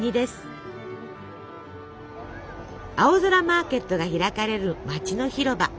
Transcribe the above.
青空マーケットが開かれる街の広場。